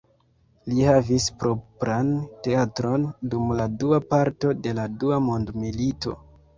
Li havis propran teatron dum la dua parto de la dua mondmilito.